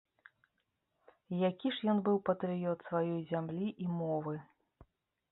Які ж ён быў патрыёт сваёй зямлі і мовы!